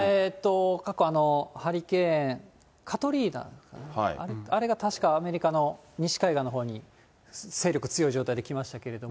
過去、ハリケーン・カトリーナ、あれが確か、アメリカの西海岸のほうに勢力強い状態で来ましたけれども。